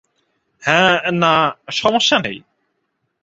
হ্যাঁ, না, সমস্যা নেই।